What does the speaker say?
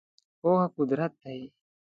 پوهه قدرت دی .